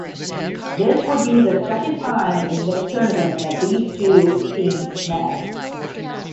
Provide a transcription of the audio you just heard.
This would be the second time in this tournament that these two teams met.